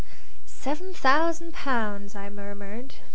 "Seven thousand pounds!" I murmured.